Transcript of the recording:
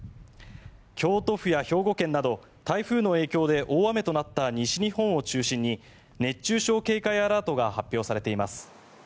京都府や兵庫県など台風の影響で大雨となった西日本を中心に熱中症警戒アラートが発表されています。